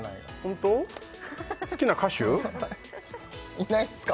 いないですか？